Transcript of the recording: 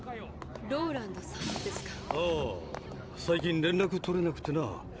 最近連絡取れなくてな。